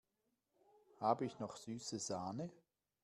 Habe ich noch süße Sahne?